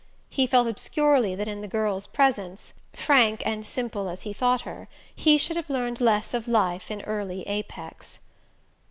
He felt obscurely that in the girl's presence frank and simple as he thought her he should have learned less of life in early Apex.